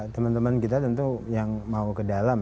teman teman kita tentu yang mau ke dalam